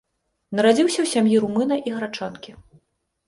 Нарадзіўся ў сям'і румына і грачанкі.